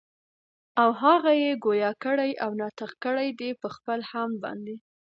او هغه ئي ګویا کړي او ناطق کړي دي پخپل حَمد باندي